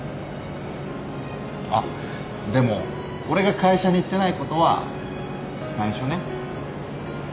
あっでも俺が会社に行ってないことは内緒ね。